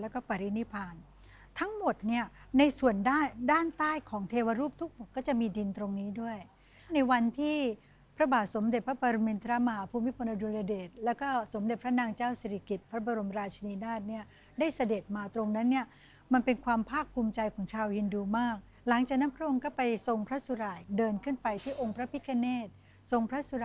แล้วก็ปรินิพานทั้งหมดเนี่ยในส่วนด้านด้านใต้ของเทวรูปทุกหกก็จะมีดินตรงนี้ด้วยในวันที่พระบาทสมเด็จพระปรมินทรมาฮภูมิพลอดุลยเดชแล้วก็สมเด็จพระนางเจ้าศิริกิจพระบรมราชนีนาฏเนี่ยได้เสด็จมาตรงนั้นเนี่ยมันเป็นความภาคภูมิใจของชาวยินดูมากหลังจากนั้นพระองค์ก็ไปทรงพระสุรายเดินขึ้นไปที่องค์พระพิคเนตทรงพระสุร